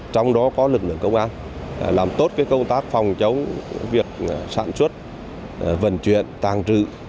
trong đó có lực lượng công an làm tốt công tác phòng chống việc sản xuất vận chuyển tàng trữ